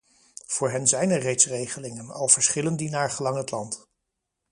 Voor hen zijn er reeds regelingen, al verschillen die naargelang van het land.